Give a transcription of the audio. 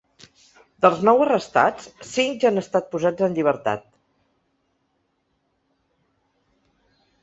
Dels nou arrestats, cinc ja han estat posats en llibertat.